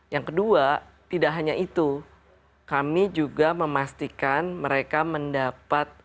yang kedua tidak hanya itu kami juga memastikan mereka mendapat